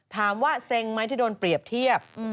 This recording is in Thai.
เซ็งไหมที่โดนเปรียบเทียบ